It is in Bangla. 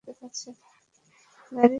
গাড়ির চাবি গাড়িতেই রেখে দিয়েছি, বেবি!